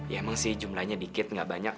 ya emang sih jumlanya dikit nggak banyak